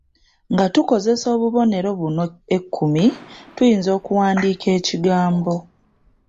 Nga tukozesa obubonero buno ekkumi tuyinza okuwandiika ekigambo.